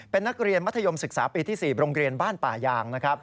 เป็นนักเรียนมัธยมศึกษาปีที่๔โรงเรียนบ้านป่ายางนะครับ